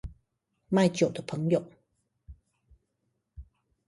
賣酒的朋友